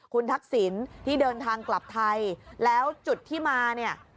คุณทักษิณที่เดินทางกลับไทยแล้วจุดที่มาเนี่ย